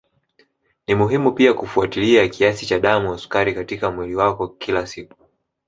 Ni muhimu pia kufuatilia kiasi cha damu sukari katika mwili wako kila siku